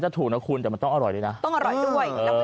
ถูกนะคุณแต่มันต้องอร่อยด้วยนะต้องอร่อยด้วย